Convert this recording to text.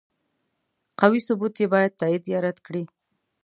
قوي ثبوت یې باید تایید یا رد کړي.